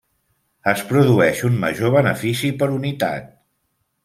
Es produeix un major benefici per unitat.